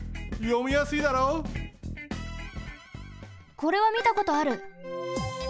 これはみたことある！